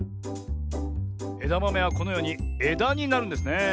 えだまめはこのようにえだになるんですねえ。